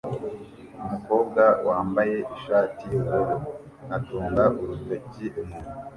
Umukobwa wambaye ishati yubururu atunga urutoki umuntu